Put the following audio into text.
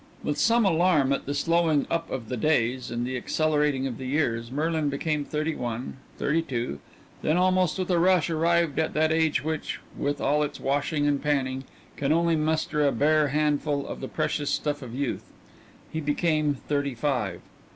With some alarm at the slowing up of the days and the accelerating of the years, Merlin became thirty one, thirty two then almost with a rush arrived at that age which, with all its washing and panning, can only muster a bare handful of the precious stuff of youth: he became thirty five.